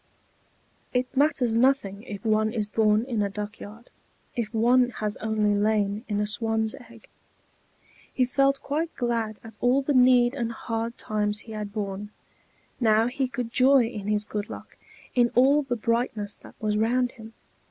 It matters nothing if one is born in a duck yard, if one has only lain in a swan's egg. He felt quite glad at all the need and hard times he had borne; now he could joy in his good luck in all the brightness that was round him.